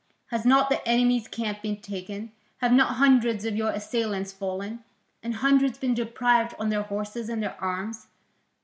Has not the enemy's camp been taken? Have not hundreds of your assailants fallen? And hundreds been deprived of their horses and their arms?